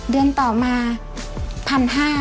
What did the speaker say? เดือนต่อมา๑๕๐๐บาท